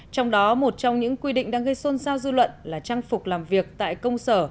trong đó một trong những quy định đang gây xôn xao dư luận là trang phục làm việc tại công sở